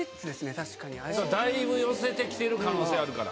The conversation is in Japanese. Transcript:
だいぶ寄せて来てる可能性あるから。